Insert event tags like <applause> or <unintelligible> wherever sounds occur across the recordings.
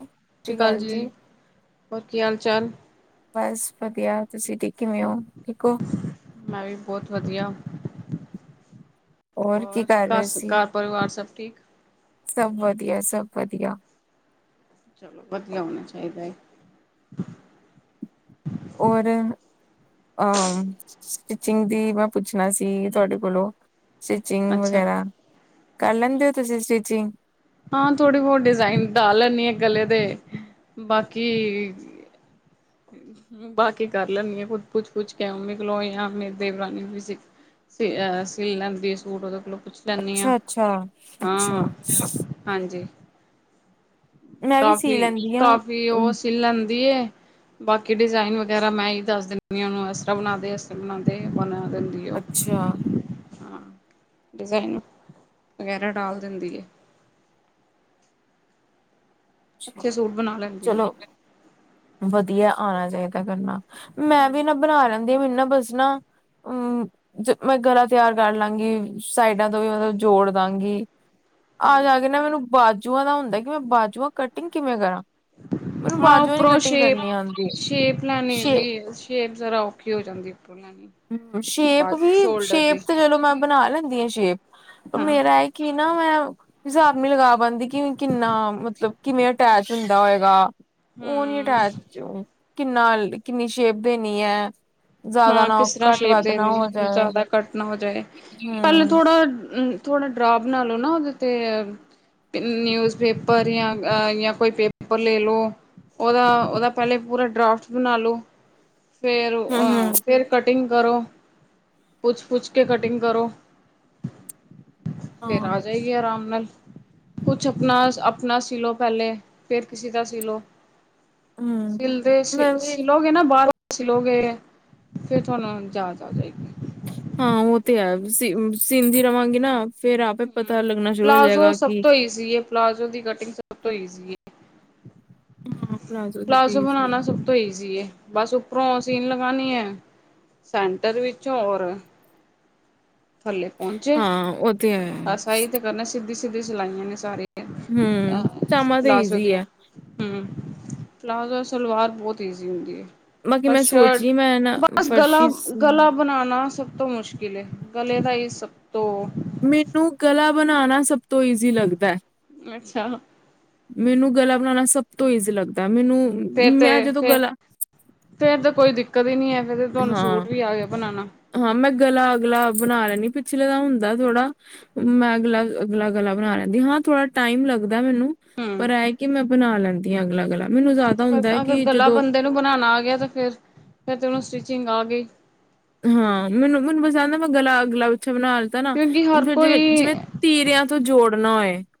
ਸਤਿ ਸ਼੍ਰੀ ਅਕਾਲ ਜੀ ਹੋਰ ਕੀ ਹਾਲ ਚਾਲ ਬਸ ਵਧੀਆ ਤੁਸੀਂ ਠੀਕ ਕਿਵੇਂ ਹੋ, ਠੀਕ ਹੋ ਮੈਂ ਵੀ ਬਹੁਤ ਵਧੀਆ ਕੀ ਹੋਰ ਕਰ ਘਰ ਰਹੇ ਸ, ਸੀ? ਘਰ ਪਰਿਵਾਰ ਸਭ ਠੀਕ ਸਭ ਵਧੀਆ ਸਭ ਵਧੀਆ ਚਲੋ ਵੱਧੀਆਂ ਹੋਣਾ ਚਾਹੀਦਾ ਏ ਔਰ ਅਹ ਸਟਿਚਿੰਗ ਦੀ ਮੈਂ ਪੁੱਛਣਾ ਸੀ ਤੁਹਾਡੇ ਕੋਲੋਂ ਸਟਿਚਿੰਗ ਅੱਛਾ ਵਗੈਰਾ ਕਰ ਲੈਂਦੇ ਹੋ ਤੁਸੀਂ ਸਟਿਚਿੰਗ ਹਾਂ ਥੋੜੀ ਬਹੁਤ ਡਿਜਾਇਨ ਪਾ ਲੈਂਣੀ ਆਾਂ ਗਲੇ ਦੇ ਬਾਕੀ- ਬਾਕੀ ਕਰ ਲੈਂਦੀ ਆ ਪੁ ਪੁੱਛ ਪੁਛ ਕੇ, ਉਮੀ ਕੋਲੋਂ ਜਾਂ ਮੇਰੀ ਦੇਵਰਾਨੀ ਵੀ ਸਿਲ ਲੈਂਦੀ ਆ ਸੂਟ ਉਹਦੇ ਕੋਲੋਂ ਪੁੱਛ ਲੈਂਦੀ ਹਾਂ ਅੱਛਾ-ਅੱਛਾ ਹਾਂ -ਅੱਛਾ। ਹਾਂਜੀ। ਮੈਂ ਵੀ ਸੀ ਕਾਫੀ, ਲੈਂਦੀ ਹਾਂ। ਕਾਫੀ ਉਹ ਸਿਲ ਲੈਂਦੀ ਏ ਬਾਕੀ ਡਿਜ਼ਾਇਨ ਵਗੈਰਾ ਮੈਂ ਹੀ ਦੱਸ ਦਿੰਦੀ ਉਹਨੂੰ ਇਸ ਤਰ੍ਹਾਂ ਬਣਾਂਦੇ ਇਸਤਰ੍ਹਾਂ ਬਣਾਂ ਅੱਛਾ। ਡਿਜ਼ਾਇਨ ਵਗੈਰਾ ਡਾਲ ਦਿੰਦੀ ਏ- ਬਣਾ ਲੈਂਦੀ ਉਹ। ਚਲੋ ਵਧੀਆ ਆ ਏ ਤੇ ਹੇਗਾ ਕਰਨਾ, ਮੈਂ ਵੀ ਹੂੰ ਨਾ ਬਣਾ ਲੈਂ ਕਹਿੰਦੀ ਮੈਨੂੰ ਨਾ ਬਸ ਨਾ, ਮੈਂ ਗਲਾ ਤਿਆਰ ਕਰ ਲਾਂਗੀ, ਸਾਈਡਾਂ ਤੋਂ ਵੀ ਮਤਲਬ ਜੋੜ ਦਾਂਗੀ ਆ ਜਾ ਕੇ ਹੂੰ ਨਾ ਮੈਨੂੰ ਬਾਜੂਆਂ ਦਾ ਹੁੰਦਾ ਕਿਵੇਂ ਬਾਜੂਆਂ ਕਟਿੰਗ ਕਿਵੇਂ ਕਰਾਂ ਮੈਨੂੰ ਹਾਂ ਬਾਜੂਆਂ ਨੀ ਉੱਪਰੋਂ ਕਟਿੰਗ ਸ਼ੇਪ, ਕਰਨੀ ਆਉਂਦੀ ਸ਼ੇਪ ਸ਼ੇ ਲੈਣੀਦੀ ਹੈ ਸ਼ੇਪ ਜ਼ਰਾ ਔਖੀ ਹੋ ਜਾਂਦੀ ਉੱਪਰੋਂ ਲੈਣੀ ਹ ਸ਼ੇਪ ਬਾਅਦ ਵੀ, ਸ਼ੋਲਡਰ ਸ਼ੇਪ ਦੀ ਤੇ ਜਲੋ ਮੈਂ ਬਣਾ ਲੈਂਦੀ ਹ ਜਿ <unintelligible> ਪਰ ਹਾਂ ਮੇਰਾ ਇਹ ਕੀ ਨਾ ਮੈਂ ਹਿਸਾਬ ਨਹੀਂ ਲਗਾ ਪਾਉਦੀ ਕਿ, ਕਿੰਨਾ ਮਤਲਬ ਕਿਵੇਂ ਅਟੈਚ ਹੁੰਦਾ ਹੋਏਗਾ ਹੂੰ <unintelligible> ਕਿੰਨਾ, ਕਿੰਨੀ ਸ਼ੇਪ ਦੇਣੀ ਹੈ? ਜ਼ਿਆਦਾ ਹਾਂ ਨਾ। ਕਿਸ ਘੱਟ ਸ਼ੇਪ ਵੱਧ ਨਾ ਦੇਣੀ, ਹੋ ਜਾਏ ਜ਼ਿਆਦਾ ਕੱਟ ਨਾ ਹੋ ਜਾਏ। ਪਹਿਲੇ ਹਮ ਥੋੜਾ ਥੋੜਾ ਡਰਾ ਬਣਾ ਲਓ ਨਾ, ਉਹਦੇ ਤੇ ਨਿਊਜ਼ ਪੇਪਰ ਯਾ ਕੋਈ ਪੇਪਰ ਲੈ ਲਓ। ਉਹਦਾ, ਉਹਦਾ ਪਹਿਲੇ ਪੂਰਾ ਡਰਾਫਟ ਬਣਾ ਲਓ। ਫੇਰ, ਹਮ ਹਮ ਅਹ ਫੇਰ ਕਟਿੰਗ। ਘਰੋਂ। ਪੁੱਛ- ਪੁੱਛ ਕੇ ਕਟਿੰਗ ਕਰੋ। ਫੇਰ ਹਾਂ ਆ ਜਾਏਗੀ, ਆਰਾਮ ਨਾਲ। ਕੁਛ ਅਪਨਹ ਅਪਨਾ ਸੀ ਲਓ ਪਹਿਲੇ, ਫਿਰ ਕਿਸੀ ਦਾ ਸੀ ਲਓ। ਹਮ ਸਿਲਦੇ ਮੈਂ ਵੀ ਸਿਲੋਗੇ ਨਾ, ਬਾਹਰੋਂ। ਸਿਲੋਗੇ, ਫੇਰ ਤੁਹਾਨੂੰ ਜਾਚ ਆ ਜਾਏਗੀ। ਹਾਂ, ਉਹ ਤੇ ਹੈ ਸਿੰਧੀ ਰਵਾਂਗੀ ਨਾ। ਫੇਰ ਆਪੇ ਪਤਾ ਹਮ, ਲੱਗਣਾ ਸ਼ੁਰੂ ਹੋ ਪਲਾਜ਼ੋ ਜਾਏਗਾ ਸਭ ਕਿ ਤੋਂ ਈਜ਼ੀਏ, ਪਲਾਜ਼ੋ ਦੀ ਕਟਿੰਗ। ਸਭ ਤੋਂ ਈਜ਼ੀ ਹੈ। ਹਮ। ਪਲਾਜ਼ੋ ਬਨਾਨਾ ਸਭ ਤੋਂ ਈਜ਼ੀ ਹੈ। ਬਸ ਉੱਪਰੋਂ ਸੀਨ ਲਗਾਨੀ ਐ, ਸੈਂਟਰ ਵਿੱਚੋਂ ਹੋਰ ਥੱਲੇ ਪਹੁੰਚੇ, ਹਾਂ ਉਹ ਤੇ ਹੈ ਬਸ ਆਈ ਤੇ ਕਰਨਾ ਸਿੱਧੀ ਸਿਤੀ ਸਿਲਾਇਆ ਨੇ ਸਾਰੇ। ਹਮ। ਪਜਾਮਾ ਤੇ ਈਜ਼ੀ ਹੈ। ਹਮ ਪਲਾਜ਼ੋ ਸਲਵਾਰ ਬਹੁਤ ਈਜ਼ੀ ਹੁੰਦੀ। ਬਾਕੀ ਬਸ, ਮੈਂ ਸੋਚ ਸ਼ਿਰਟ ਰਹੀ ਮੈਂ ਨਾ ਬਸ ਗਲਾ ਫਰਸ਼ੀ ਗਲਾ ਬਣਾਉਣਾ ਸਭ ਸਭ ਤੋਂ ਮੁਸ਼ਕਿਲ ਹੈ ਗਲੇ ਦਾ ਹੀ, ਸਭ ਤੋਂ <inaudible> ਤੋਂ ਈਜ਼ੀ ਲੱਗਦਾ ਹੈ। ਅੱਛਾ ਮੈਨੂੰ ਗਲਾ ਬਣਾਉਣਾ ਸਭ ਤੋਂ ਈਜ਼ੀ ਲੱਗਦਾ। ਹੈ। ਮੈਨੂੰ ਫੇਰ ਤੇ, ਮੈਂ ਫ ਜਦੋਂ ਗਲਾ ਫੇਰ ਤੇ ਕੋਈ ਦਿੱਕਤ ਹੀ ਨਹੀਂ ਹੈ। ਫੇਰ ਤੇ ਤੁਹਾਨੂੰ ਹਾਂ ਸੂਟ ਵੀ ਆ ਗਿਆ ਬਣਾਉਣਾ। ਹਾਂ, ਮੈਂ ਗਲਾ ਅਗਲਾ ਬਣਾ ਲੈਂਦੀ ਪਿਛਲੇ ਦਾ ਹੁੰਦਾ ਥੋੜਾ, ਮੈਂ ਅਗਲਾ ਅਗਲਾ ਗਲਾ ਬਣਾ ਲੈਂਦੀ ਹਾਂ। ਥੋੜਾ ਟਾਈਮ ਲੱਗਦਾ ਮੈਨੂੰ ਪਰ ਐਏ ਕਿ ਮੈਂ ਬਣਾ ਲੈਂਦੀਆਂ ਅਗਲਾੱ ਗੱਲਾਂ। ਤੇ ਫ, ਅਗਰ ਗਲਾ ਬੰਦੇ ਨੂੰ ਬਣਾਉਣਾ ਆ ਗਿਆ, ਤੇ ਫੇਰ ਫਿਰ ਉਹਨੂੰ ਸ ਸਿੰਘ ਆ ਗਏ ਹਾਂ ਮੈਨੂੰ ਮੈਨੂੰ ਪਸਾਉਂਦਾ ਮੈਂ ਗਲਾ ਗਲਾ ਵਿੱਚ ਉਛ ਬਣਾ ਲਤਾ ਨਾ ਕਿਉਂਕਿ ਹੁਣ ਹਰ ਫੇਰ ਜਿਵੇਂ ਕੋਈ ਜਿਵੇਂ ਤੀਰਿਆਂ ਤੋਂ ਜੋੜ ਨੋ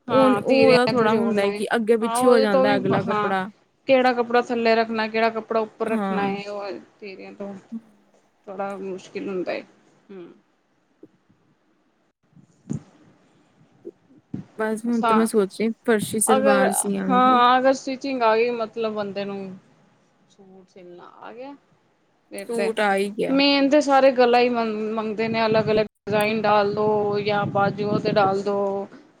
ਹਾਂ ਤੀਰਿਆਂ ਤੋਂ ਜੋੜਨਾ ਹੈ ਅੱਗੇ ਹਾਂ ਪਿੱਛੇ ਹੋ ਉਹਦੇ ਤੋਂ ਜਾਂਦਾ ਵੀ ਅਗਲਾ ਹਾਂ ਕੱਪੜਾ ਕਿਹੜਾ ਕੱਪੜਾ ਥੱਲੇ ਰੱਖਣਾ ਕਿਹੜਾ ਕੱਪੜਾ ਉੱਪਰ ਰੱਖਣਾ ਹਾਂ ਹੈ ਉਹ ਤੀਰਿਆਂ ਤੋਂ ਬੜਾ ਮੁਸ਼ਕਿਲ ਹੁੰਦਾ ਹੈਏ ਹਮ ਬਸ ਹੁਣ ਤੇ ਮੈਂ ਛਾਂ ਸੋਚ ਰਹੀ ਫਰਸ਼ੀ ਅਗਰ ਸਲਵਾਰ ਸੀਆਂਗੀ ਹਾਂ ਅਗਰ ਸਟਿਚਿੰਗ ਆ ਗਈ ਮਤਲਬ ਬੰਦੇ ਨੂੰ ਆ ਗਿਆ ਫ ਤੇ ਸੂਟ ਆ ਹੀ ਗਿਆ ਮੇਨ ਤੇ ਸਾਰੇ ਗਲਾ ਹੀ ਮੰ ਮੰਗਦੇ ਨੇ ਅਲਗ ਅਲਗ ਡਿਜ਼ਾਇਨ ਡਾਲ ਦੋ ਜਾਂਾ ਬਾਜੂਆਂ ਤੇ ਡਾਲ ਦੋ